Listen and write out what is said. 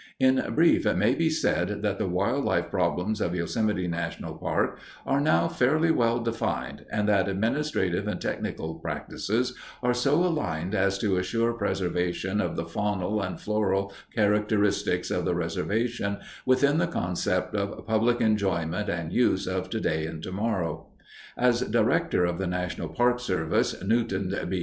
In brief, it may be said that the wildlife problems of Yosemite National Park are now fairly well defined and that administrative and technical practices are so aligned as to assure preservation of the faunal and floral characteristics of the reservation within the concept of "public enjoyment and use" of today and tomorrow. As Director of the National Park Service, Newton B.